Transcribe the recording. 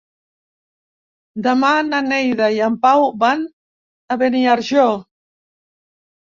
Demà na Neida i en Pau van a Beniarjó.